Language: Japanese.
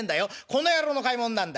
この野郎の買い物なんだい。